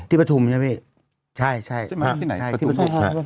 ที่ประทุมใช่ไหมใช่ใช่ที่ประทุม